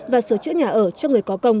và sửa chữa nhà ở cho người có công